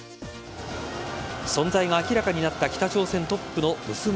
存在が明らかになった北朝鮮トップの娘。